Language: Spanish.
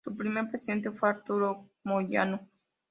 Su primer presidente fue Arturo Moyano.